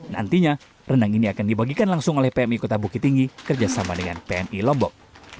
nantinya rendang ini akan dibagikan langsung oleh pmi kota bukit tinggi kerjasama dengan pmi lombok